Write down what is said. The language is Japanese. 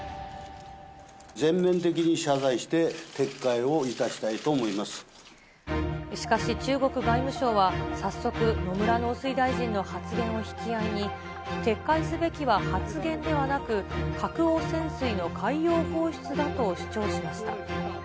全面的に謝罪して撤回をいたしかし、中国外務省は、早速、野村農水大臣の発言を引き合いに、撤回すべきは発言ではなく、核汚染水の海洋放出だと主張しました。